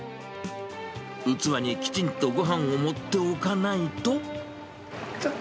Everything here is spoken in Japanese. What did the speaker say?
器にきちんとごはんを盛っておかないと。